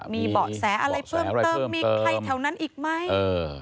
มีเบาะแสอะไรเพิ่มเติมมีใครแถวนั้นอีกไหม